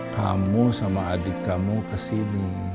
kamu sama adik kamu kesini